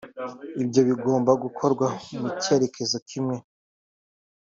Ibyo bigomba gukorwa mu cyerekezo kimwe